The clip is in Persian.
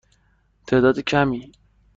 تعداد کمی.